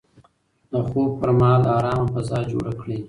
د خوب پر مهال ارامه فضا جوړه کړئ.